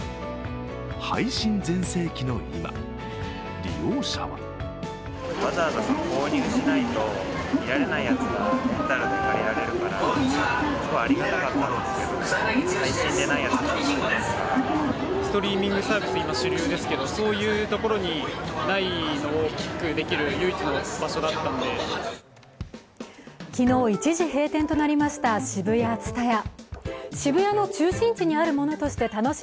配信全盛期の今、利用者は昨日、一時閉店となりましたＳＨＩＢＵＹＡＴＳＵＴＡＹＡ。